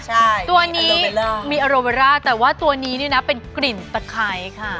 ใช่ตัวนี้มีอโรร่าแต่ว่าตัวนี้เนี่ยนะเป็นกลิ่นตะไคร้ค่ะ